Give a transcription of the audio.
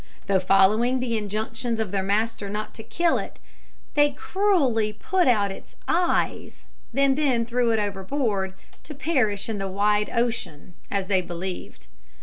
Though following the injunctions of their master not to kill it, they cruelly put out its eyes, and then threw it overboard, to perish in the wide ocean, as they believed.